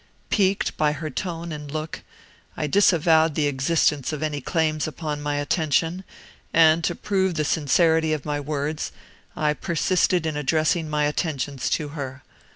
"Piqued by her tone and look, I disavowed the existence of any claims upon my attention; and to prove the sincerity of my words, I persisted in addressing my attentions to her.